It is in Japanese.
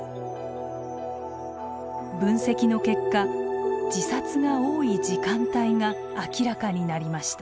分析の結果自殺が多い時間帯が明らかになりました。